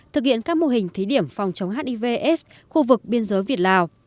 thực hiện các mô hình thí điểm phòng chống hiv aids khu vực biên giới việt lào